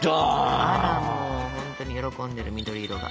あらもう本当に喜んでる緑色が。